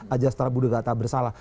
ajastra buddha tak bersalah